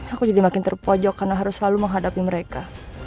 aku jadi makin terpojok karena harus selalu menghadapi mereka